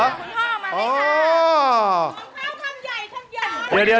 สวัสดีค่ะ